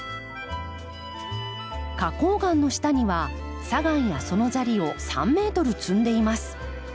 花こう岩の下には砂岩やその砂利を３ｍ積んでいます。